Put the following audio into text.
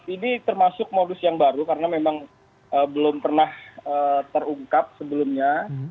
ini termasuk modus yang baru karena memang belum pernah terungkap sebelumnya